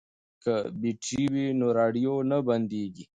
که بیټرۍ وي نو راډیو نه بندیږي.